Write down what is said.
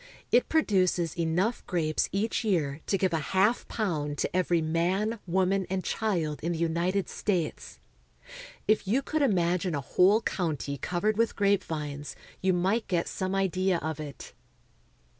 It produces enough grapes each year to give a half pound to every man, 2/0 CALIFORNIA. Gathering Grapes. woman, and child in the United States. If you could imagine a whole county covered with grapevines, you might get some idea of it.